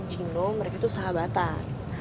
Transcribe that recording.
juno mereka tuh sahabatan